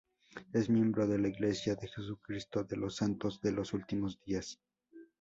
Es miembro de La Iglesia de Jesucristo de los Santos de los Últimos Días.